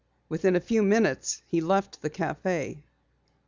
Within a few minutes he left the café.